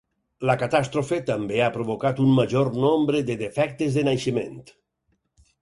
La catàstrofe també ha provocat un major nombre de defectes de naixement.